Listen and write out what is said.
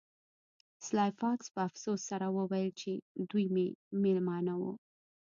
سلای فاکس په افسوس سره وویل چې دوی مې میلمانه وو